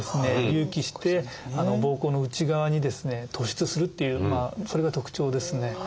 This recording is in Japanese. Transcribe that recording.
隆起して膀胱の内側にですね突出するっていうそれが特徴ですね。